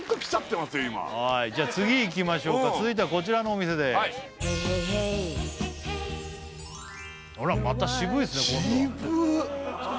じゃあ次いきましょうか続いてはこちらのお店ですあらまた渋いですね渋っ！